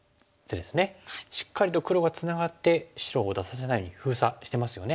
しっかりと黒がつながって白を出させないように封鎖してますよね。